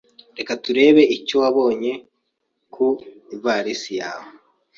Reka turebe icyo wabonye ku ivarisi yawe.